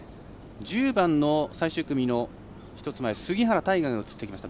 １０番の最終組の１つ前杉原大河が映ってきました。